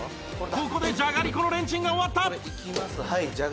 ここでじゃがりこのレンチンが終わった